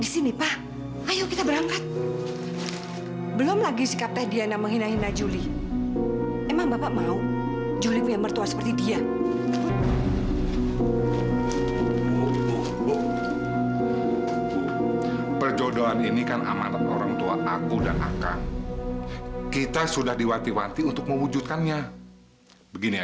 sampai jumpa di video selanjutnya